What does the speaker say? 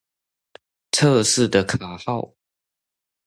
測試的卡號